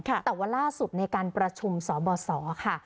แต่ว่าล่าสุดในการประชุมสบสค่ะ